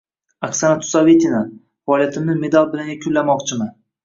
Oksana Chusovitina: Faoliyatimni medal bilan yakunlamoqchiman